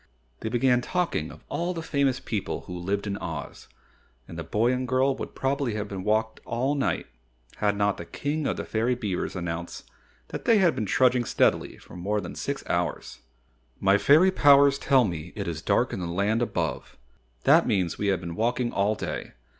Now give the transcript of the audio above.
They began talking of all the famous people who lived in Oz, and the boy and girl would probably have walked all night had not the King of the Fairy Beavers announced after they had been trudging steadily for more than six hours: "My fairy powers tell me it is dark in the land above. That means we have been walking all day.